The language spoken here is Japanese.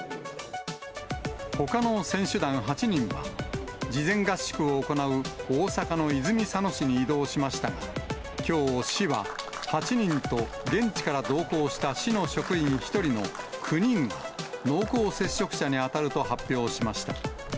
ほかの選手団８人は、事前合宿を行う大阪の泉佐野市に移動しましたが、きょう、市は８人と、現地から同行した市の職員１人の９人が、濃厚接触者に当たると発表しました。